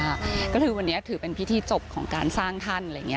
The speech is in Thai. กระซิบบันเทศบันค่ะวันนี้ถูกเป็นพิธีจบของการสร้างท่าน